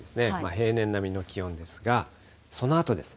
平年並みの気温ですが、そのあとです、